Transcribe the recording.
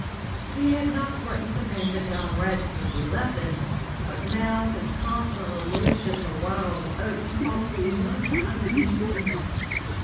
He had not threatened to paint the town red since we left it, but now his constant allusion to wild oats caused me much uneasiness.